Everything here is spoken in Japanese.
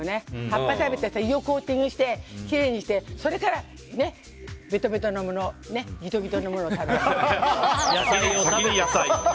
葉っぱ食べてさ胃をコーティングしてきれいにしてそれからベトベトのものギトギトのものを食べる。